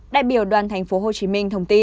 đại biểu đoàn tp hcm